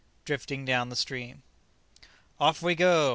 DRIFTING DOWN THE STREAM. "Off we go!"